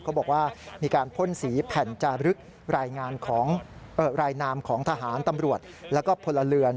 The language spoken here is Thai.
เขาบอกว่ามีการพ่นสีแผ่นจารึกรายงานของรายนามของทหารตำรวจแล้วก็พลเรือน